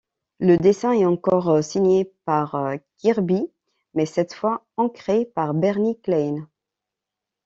Le dessin est encore signé par Kirby, mais cette fois encré par Bernie Klein.